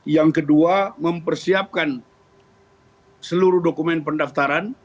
yang kedua mempersiapkan seluruh dokumen pendaftaran